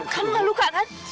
kamu gak luka kan